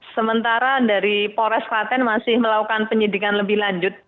sementara dari pores waten masih melakukan penyidikan lebih lanjut